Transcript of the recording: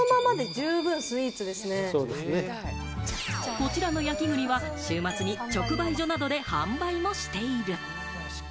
こちらの焼き栗は週末に直売所などで販売もしている。